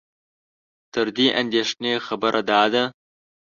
تر دې اندېښنې خبره دا ده